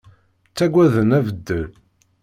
Ttagaden abeddel.